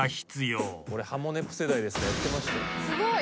俺『ハモネプ』世代ですからやってましたよ。